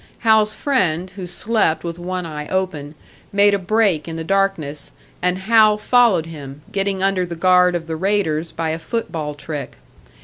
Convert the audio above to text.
Hal's friend, who slept with one eye open, made a break in the darkness, and Hal followed him, getting under the guard of the raiders by a foot ball trick.